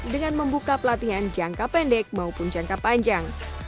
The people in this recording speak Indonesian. dengan membuka pelatihan jangka pendek maupun jangka panjang